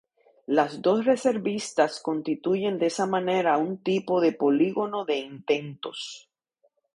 Las dos revistas constituyen de esa manera un tipo de polígono de intentos.